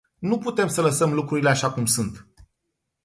Nu putem să lăsăm lucrurile așa cum sunt.